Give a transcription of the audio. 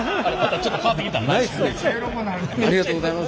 ありがとうございます。